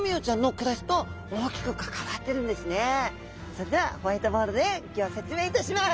それではホワイトボードでギョ説明いたします。